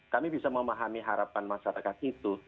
kami bisa memahami harapan masyarakat itu